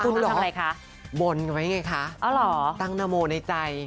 คุณหรอบนไว้ไงคะตั้งนโมในใจ